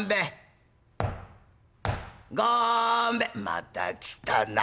「また来たな」。